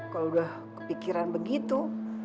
kalau udah kepikiran begitu